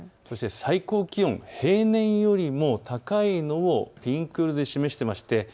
最高気温、平年よりも高いのをピンク色で示しています。